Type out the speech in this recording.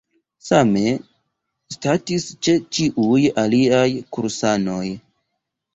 Same statis ĉe ĉiuj aliaj kursanoj.